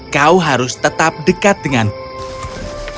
kau harus tetap dekat dengan aku